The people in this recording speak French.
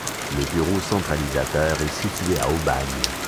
Le bureau centralisateur est situé à Aubagne.